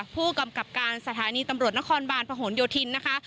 ผู้กำกับการสถานีตำรวจนครบาลพะหนโยธินนะคะ